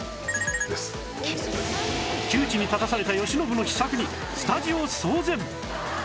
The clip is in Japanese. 窮地に立たされた慶喜の秘策にスタジオ騒然！